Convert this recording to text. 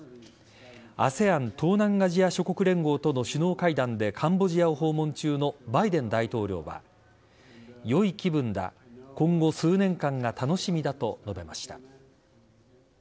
ＡＳＥＡＮ＝東南アジア諸国連合との首脳会談でカンボジアを訪問中のバイデン大統領は良い気分だ今後、数年間が楽しみだと述べました。